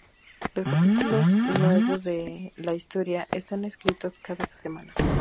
Los capítulos nuevos de la historia están escritos cada semana.